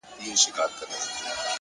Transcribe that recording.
د لرې غره لید د سترګو ستړیا کموي،